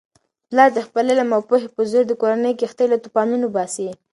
پلارد خپل عقل او پوهې په زور د کورنی کښتۍ له توپانونو باسي.